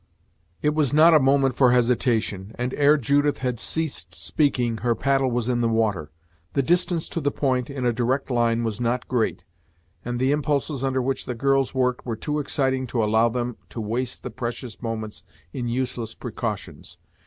It was not a moment for hesitation, and ere Judith had ceased speaking her paddle was in the water. The distance to the point, in a direct line, was not great, and the impulses under which the girls worked were too exciting to allow them to waste the precious moments in useless precautions.